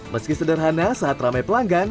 meski sederhana sangat ramai pelanggan